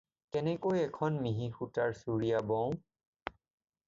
কেনেকৈ এখন মিহি সূতাৰ চুৰিয়া বওঁ?